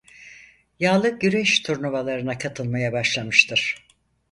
Yağlı güreş turnuvalarına katılmaya başlamıştır.